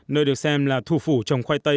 nơi được xem là thủ phủ trồng khoai tây